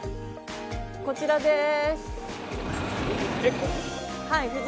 こちらです。